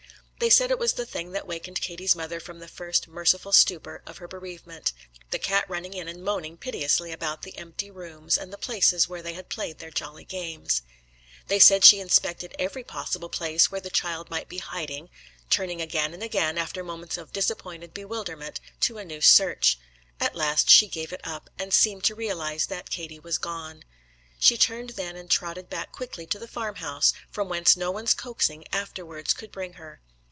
They said it was the thing that wakened Katie's mother from the first merciful stupor of her bereavement, the cat running in and moaning piteously about the empty rooms, and the places where they had played their jolly games. They said she inspected every possible place where the child might be hiding, turning again and again, after moments of disappointed bewilderment, to a new search. At last she gave it up, and seemed to realise that Katie was gone. She turned then and trotted back quickly to the farmhouse, from whence no one's coaxing afterwards could bring her.